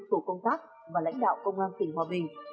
tổ công tác và lãnh đạo công an tỉnh hòa bình